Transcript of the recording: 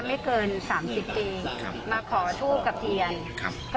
ไม่เกินสามสิบปีครับมาขอทูบกับเทียนครับ